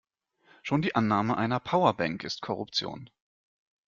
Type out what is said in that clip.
Schon die Annahme einer Powerbank ist Korruption.